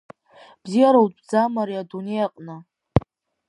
Бзиара утәӡам ари адунеи аҟны!